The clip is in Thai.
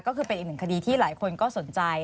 ก็คือเป็นอีกหนึ่งคดีที่หลายคนก็สนใจ